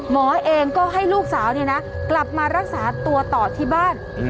หมอเองก็ให้ลูกสาวกลับมารักษาตัวต่อที่บ้าน